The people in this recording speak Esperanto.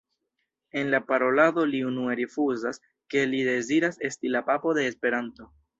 En la parolado li unue rifuzas, ke li deziras esti la Papo de Esperanto.